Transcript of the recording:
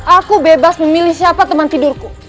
aku bebas memilih siapa teman tidurku